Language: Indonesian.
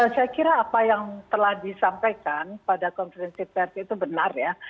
saya kira apa yang telah disampaikan pada konferensi pers itu benar ya